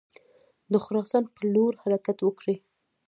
د خراسان پر لور حرکت وکړي.